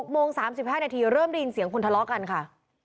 โมง๓๕นาทีเริ่มได้ยินเสียงคนทะเลาะกันค่ะ